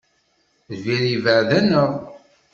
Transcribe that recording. Lbir yebɛed-aneɣ.